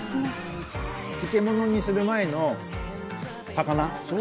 漬物にする前の高菜。